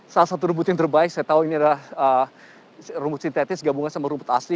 salah satu rumput yang terbaik saya tahu ini adalah rumput sintetis gabungan sama rumput asli